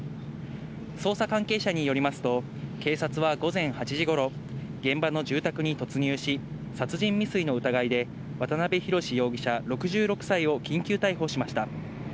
捜査関係者によりますと警察は午前８時頃、現場の住宅に突入し、殺人未遂の疑いで渡辺宏容疑者６６歳を緊急逮捕しました。